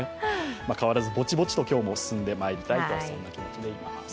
変わらずぼちぼちと、今日も進んでまいりたいと思います。